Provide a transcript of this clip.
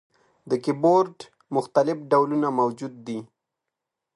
د کیبورډ مختلف ډولونه موجود دي.